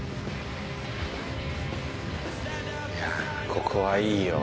いやここはいいよ。